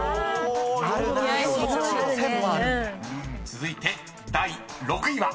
［続いて第６位は］